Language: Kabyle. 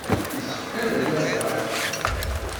Yessefk ad n-aseɣ.